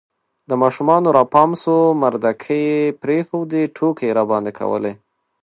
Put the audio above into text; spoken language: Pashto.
د ماشومانو را پام سو مردکې یې پرېښودې، ټوکې یې راباندې کولې